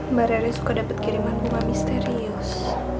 mbak rere suka dapet kiriman bunga misterius